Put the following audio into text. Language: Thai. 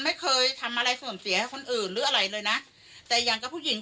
ไม่เคยทำอะไรเสื่อมเสียให้คนอื่นหรืออะไรเลยนะแต่อย่างกับผู้หญิง